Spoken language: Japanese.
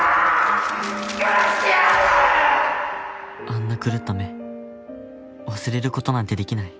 あんな狂った目忘れることなんてできない